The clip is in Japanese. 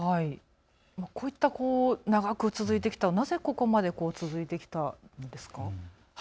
こういった長く続いてきた、なぜここまで続いてきたんですか。